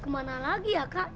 kemana lagi ya kak